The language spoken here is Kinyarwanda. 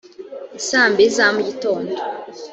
i saa mbiri za mu gitondo